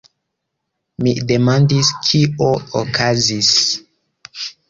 Mi demandis, kio okazis.